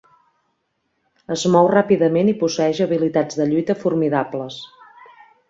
Es mou ràpidament i posseïx habilitats de lluita formidables.